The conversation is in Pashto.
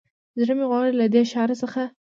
زړه مې غواړي له دې ښار څخه